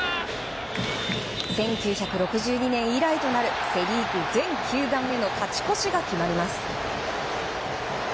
１９６２年以来となるセ・リーグ全球団への勝ち越しが決まります。